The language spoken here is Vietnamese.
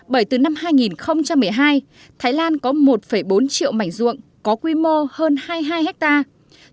bởi từ năm hai nghìn một mươi hai thái lan có một bốn triệu mảnh ruộng có quy mô hơn hai mươi hai hectare